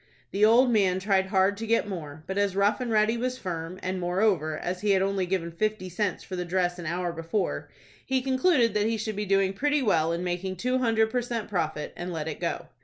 The old man tried hard to get more, but as Rough and Ready was firm, and, moreover, as he had only given fifty cents for the dress an hour before, he concluded that he should be doing pretty well in making two hundred per cent. profit, and let it go.